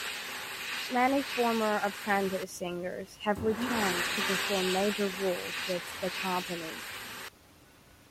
Many former apprentice singers have returned to perform major roles with the company.